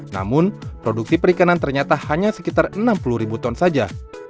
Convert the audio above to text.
namun produksi perikanan ternyata hanya sekitar enam puluh ribu ton saja